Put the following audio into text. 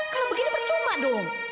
kalau begini percuma dong